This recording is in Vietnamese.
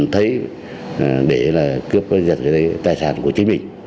thấy để là cướp giật cái tài sản của chính mình